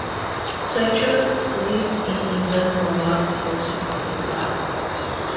Fletcher lived in England for a large portion of his life.